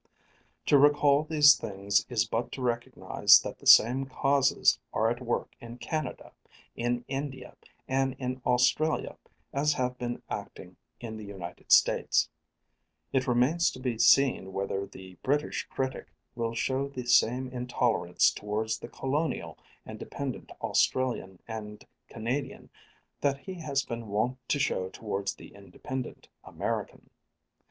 To recall these things is but to recognize that the same causes are at work in Canada, in India, and in Australia as have been acting in the United States. It remains to be seen whether the British critic will show the same intolerance towards the colonial and dependent Australian and Canadian that he has been wont to show towards the independent American.